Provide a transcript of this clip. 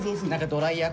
ドライヤー